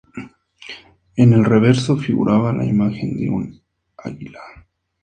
En el reverso figuraba la imagen de un águila.